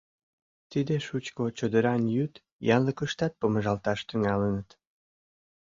Тиде шучко чодыран йӱд янлыкыштат помыжалташ тӱҥалыныт.